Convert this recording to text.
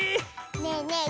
ねえねえ